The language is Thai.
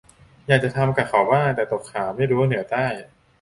อยากจะทำกะเขาบ้างแต่ตกข่าว ไม่รู้เหนือใต้